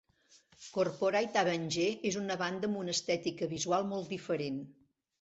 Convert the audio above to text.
Corporate Avenger és una banda amb una estètica visual molt diferent.